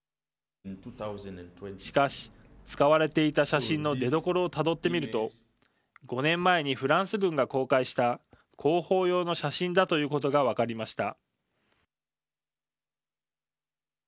しかし、使われていた写真の出どころをたどってみると５年前にフランス軍が公開した広報用の写真だということが分かりました。